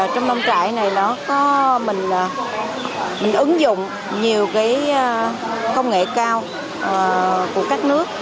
trong nông trại này mình ứng dụng nhiều công nghệ cao của các nước